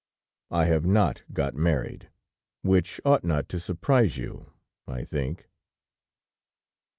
"I have not got married which ought not to surprise you, I think."